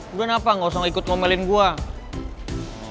udah kenapa gak usah ikut ngomelin gue